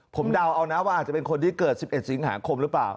ผมเดาเอานะว่าอาจจะเป็นคนที่เกิด๑๑สิงหาคมหรือเปล่า